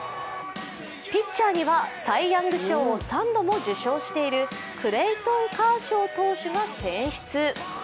ピッチャーにはサイ・ヤング賞を３度も受賞しているクレイトン・カーショー投手が選出。